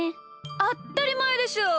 あったりまえでしょう。